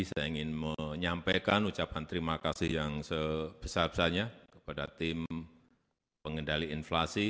saya ingin menyampaikan ucapan terima kasih yang sebesar besarnya kepada tim pengendali inflasi